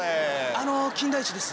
あの、金田一です。